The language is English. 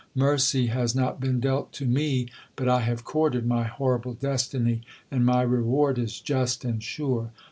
Mercy has not been dealt to me, but I have courted my horrible destiny, and my reward is just and sure.